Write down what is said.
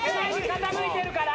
傾いてるから。